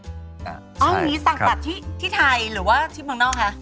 อ๋อมีสังตัดที่ไทยหรือว่าที่ภาคนอกคะ